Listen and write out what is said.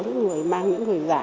mang những người giả